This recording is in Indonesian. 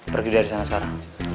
pergi dari sana sekarang